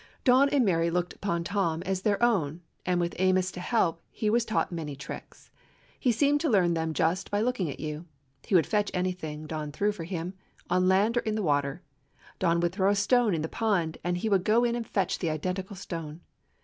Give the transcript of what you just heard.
237 DOG HEROES OF MANY LANDS Don and Mary looked upon Tom as their own, and with Amos to help, he was taught many tricks. He seemed to learn them just by looking at you. He would fetch anything Don threw for him, on land or in the water. Don would throw a stone in the pond, and he would go in and fetch the identical stone.